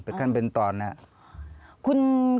เป็นการเป็นตอนน่ะ